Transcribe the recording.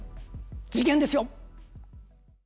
事件ですよ。